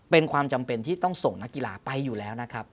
เป็นความจำเป็นที่ต้องส่งนักกีฬาไปอยู่แล้วนะครับ